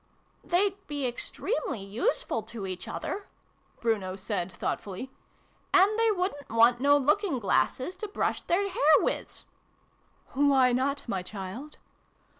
" They'd be very extremely useful to each other," Bruno said, thoughtfully. "And they wouldn't want no looking glasses to brush their hair wiz." "Why not, my child